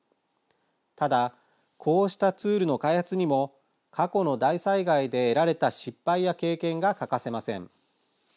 ただ、こうしたツールの開発にも過去の大災害で得られた失敗や経験が欠かせません。